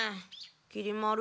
きり丸？